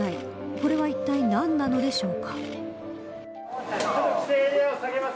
これはいったい何なのでしょうか。